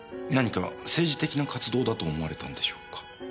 何か政治的な活動だと思われたんでしょうか。